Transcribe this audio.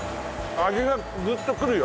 味がグッとくるよ。